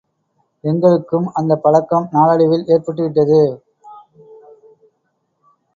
எங்களுக்கும் அந்தப் பழக்கம் நாளடைவில் ஏற்பட்டுவிட்டது.